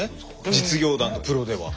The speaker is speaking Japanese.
実業団とプロでは。